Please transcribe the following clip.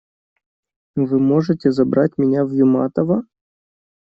Вы можете забрать меня в Юматово?